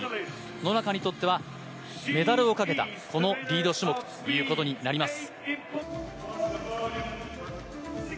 野中にとっては、メダルをかけたリード種目となります。